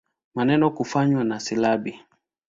Maneno kufanywa na silabi.